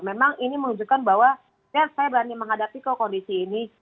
memang ini menunjukkan bahwa ya saya berani menghadapi kok kondisi ini